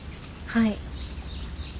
はい。